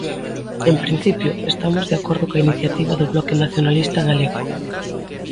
En principio, estamos de acordo coa iniciativa do Bloque Nacionalista Galego.